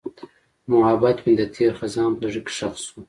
محبت مې د تېر خزان په زړه کې ښخ شو.